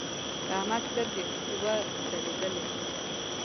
د احمد سترګې ودرېدلې.